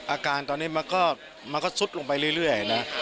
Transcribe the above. อาการตอนนี้มันก็ซุดลงไปเรื่อยนะ